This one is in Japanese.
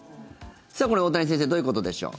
これ、大谷先生どういうことでしょう。